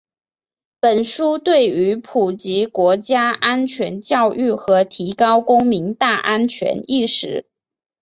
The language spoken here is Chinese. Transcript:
本书对于普及国家安全教育和提高公民“大安全”意识